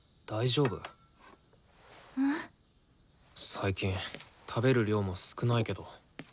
最近食べる量も少ないけど。